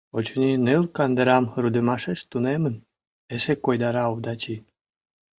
— Очыни, ныл кандырам рудымашеш тунемын, — эше койдара Овдачи.